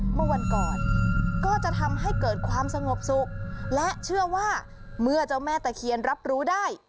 เมื่อวันก่อนก็จะทำให้เกิดความสงบสุขและเชื่อว่าเมื่อเจ้าแม่ตะเคียนรับรู้ได้